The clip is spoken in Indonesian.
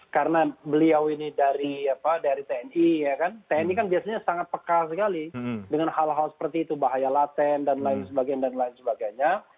karena beliau ini dari tni ya kan tni kan biasanya sangat peka sekali dengan hal hal seperti itu bahaya laten dan lain sebagainya